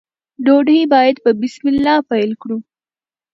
ډوډۍ باید په بسم الله پیل کړو.